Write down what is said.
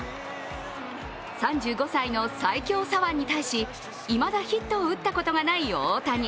３５歳の最強左腕に対しいまだヒットを打ったことがない大谷。